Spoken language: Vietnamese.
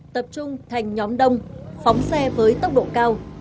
tập trung thành nhóm đông phóng xe với tốc độ cao